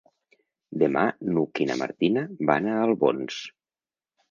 Demà n'Hug i na Martina van a Albons.